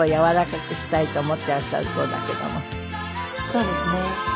そうですね。